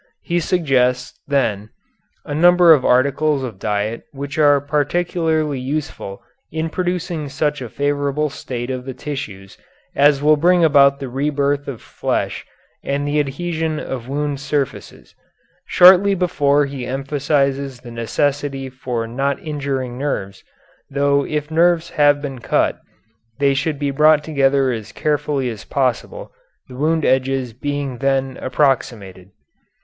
He suggests, then, a number of articles of diet which are particularly useful in producing such a favorable state of the tissues as will bring about the rebirth of flesh and the adhesion of wound surfaces. Shortly before he emphasizes the necessity for not injuring nerves, though if nerves have been cut they should be brought together as carefully as possible, the wound edges being then approximated.